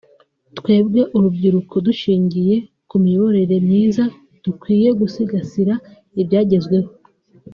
twebwe urubyiruko dushingiye ku miyoborere myiza dukwiye gusigasira ibyagezweho